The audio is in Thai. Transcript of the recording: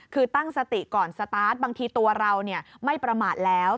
คือตั้งสติก่อนสตาร์ทบางทีตัวเราไม่ประมาทแล้ว